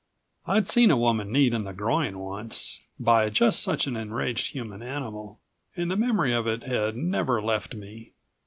I'd seen a woman kneed in the groin once, by just such an enraged human animal, and the memory of it had never left me.